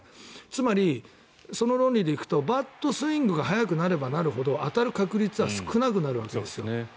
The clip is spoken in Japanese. つまり、その論理で行くとバットスイングが速くなればなるほど当たる確率は少なくなるわけです。